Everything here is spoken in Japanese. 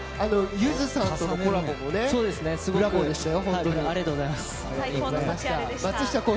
ゆずさんとのコラボもブラボーでしたよ。